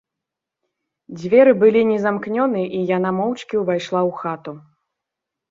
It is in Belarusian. Дзверы былі незамкнёны, і яна моўчкі ўвайшла ў хату.